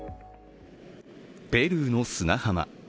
ペルーの砂浜。